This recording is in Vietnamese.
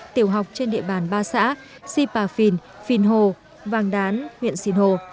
tiểu học trên địa bàn ba xã si pà phìn phìn hồ vàng đán huyện xìn hồ